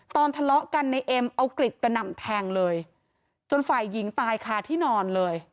ตอนทะเลาะกันนายเอ็มเอากริจไปนำแทงเลยจนฝ่ายหญิงตายค่ะที่นอนเลย